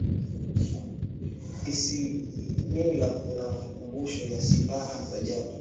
isimila kuna makumbusho ya silaha za jadi